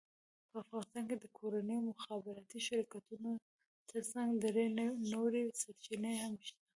په افغانستان کې د کورنیو مخابراتي شرکتونو ترڅنګ درې نورې سرچینې هم شته،